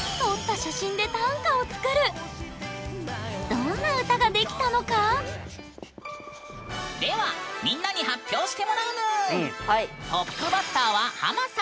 どんな歌が出来たのかではみんなに発表してもらうぬん。